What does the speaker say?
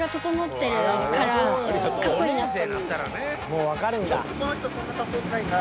［もうわかるんだ］